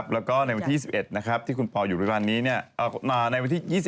และในวันที่๒๑ที่คุณปออยู่ในวันนี้